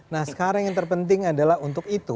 nah sekarang yang terpenting adalah untuk itu